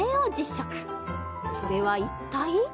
食それは一体？